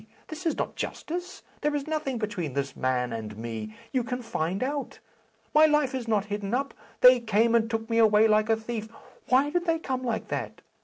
This is not justice. There is nothing between this man and me. You can find out. My life is not hidden up. They came and took me away like a thief. Why did they come like that?